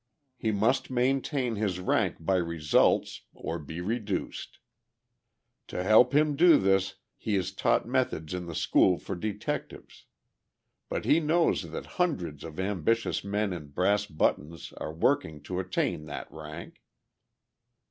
He must maintain his rank by results, or be reduced. To help him do this, he is taught methods in the school for detectives. But he knows that hundreds of ambitious men in brass buttons are working to attain that rank.